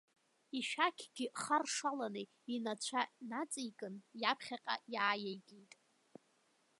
Ишәақьгьы харшаланы инацәа наҵеикын, иаԥхьаҟа иааиеигеит.